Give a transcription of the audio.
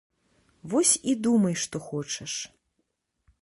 Вось і думай што хочаш!